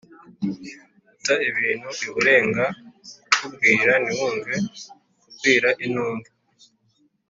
guta ibintu iburenga: kukubwira ntiwumve, kubwira intumva